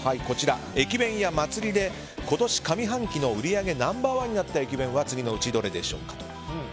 駅弁屋祭で今年上半期の売り上げナンバー１になった駅弁は次のうちどれでしょうかと。